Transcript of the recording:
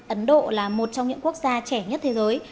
ấn độ là một trong những quốc gia trẻ nhất thế giới